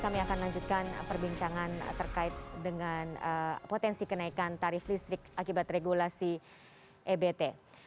kami akan lanjutkan perbincangan terkait dengan potensi kenaikan tarif listrik akibat regulasi ebt